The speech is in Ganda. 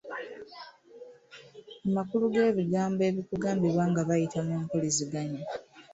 Amakulu g'ebigambo ebikugambibwa nga bayita mu mpulizigznya.